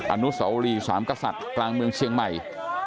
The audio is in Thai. อนุสาวรีสามกษัตริย์กลางเมืองเชียงใหม่